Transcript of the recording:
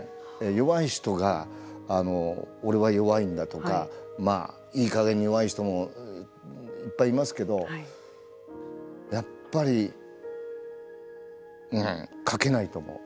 弱い人が俺は弱いんだとかいいかげんに弱い人もいっぱいいますけどやっぱり描けないと思う。